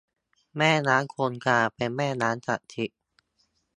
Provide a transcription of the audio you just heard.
แม่น้ำคงคา เป็นแม่น้ำศักดิ์สิทธิ์